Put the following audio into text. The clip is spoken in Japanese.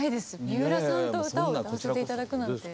三浦さんと歌を歌わせて頂くなんて。